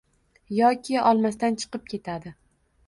yoki olmasdan chiqib ketadi.